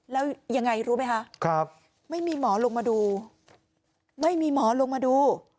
แล้วยังไงรู้ไหมคะไม่มีหมอลงมาดูไม่มีหมอลงมาดู